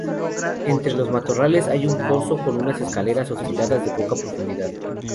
Entre los matorrales hay un pozo con unas escaleras oxidadas de poca profundidad.